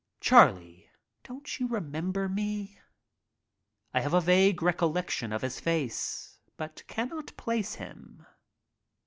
"Chariie, don't you remember me? " I have a vague recollection of his face, but cannot place him.